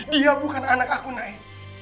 dia bukan anak aku naik